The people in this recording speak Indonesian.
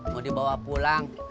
mau dibawa pulang